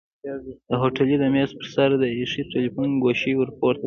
هوټلي د مېز پر سر د ايښي تليفون ګوشۍ ورپورته کړه.